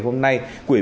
đó là ngay